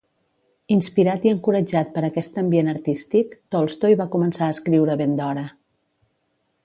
Inspirat i encoratjat per aquest ambient artístic, Tolstoi va començar a escriure ben d'hora.